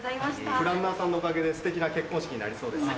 プランナーさんのおかげでステキな結婚式になりそうです。